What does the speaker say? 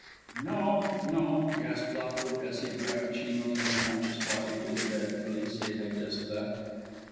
"No, no," gasped Lockwood, as he dragged Chino's unconscious body to the bed Felice had just left.